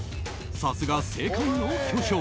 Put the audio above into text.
さすが、世界の巨匠。